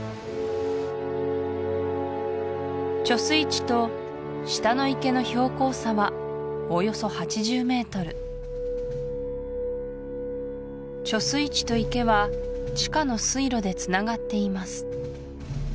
貯水池と下の池の標高差はおよそ８０ｍ貯水池と池は地下の水路でつながっています